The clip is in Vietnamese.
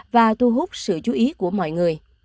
và thu hút sự chú ý của mọi người